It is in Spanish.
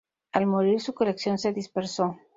Al morir su colección se dispersó.